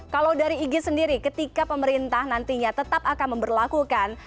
kalau dari igi sendiri ketika pemerintah nantinya tetap akan memperlakukan